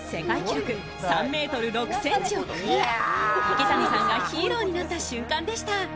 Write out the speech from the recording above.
池谷さんがヒーローになった瞬間でした。